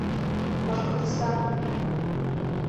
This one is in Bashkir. Башҡортостан!